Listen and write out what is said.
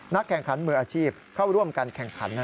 แข่งขันมืออาชีพเข้าร่วมการแข่งขัน